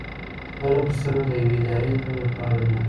بله پوښتنه د یوې ادارې د دندو په اړه ده.